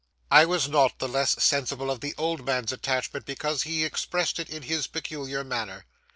I was not the less sensible of the old man's attachment because he expressed it in his peculiar manner.